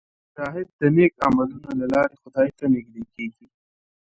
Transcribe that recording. مجاهد د نیک عملونو له لارې خدای ته نږدې کېږي.